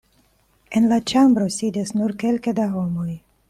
En la ĉambro sidis nur kelke da homoj.